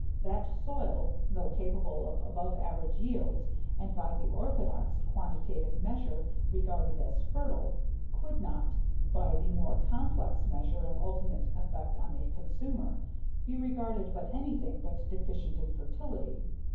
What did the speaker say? That soil, though capable of above average yields, and by the orthodox quantitative measure regarded as fertile, could not, by the more complete measure of ultimate effect on the consumer, be regarded but anything but deficient in fertility.